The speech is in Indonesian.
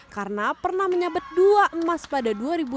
karena pernah menyabet dua emas pada dua ribu dua puluh satu